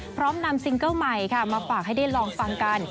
พร้อมนำซิงเกิ้ลใหม่ค่ะมาฝากให้ได้ลองฟังกัน